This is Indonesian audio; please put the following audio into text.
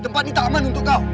tempat ini tidak aman untuk kau